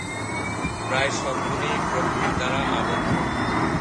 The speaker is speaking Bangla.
প্রায় সবগুলিই প্রকৃতির দ্বারা আবদ্ধ।